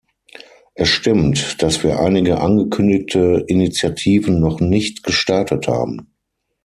Es stimmt, dass wir einige angekündigte Initiativen noch nicht gestartet haben.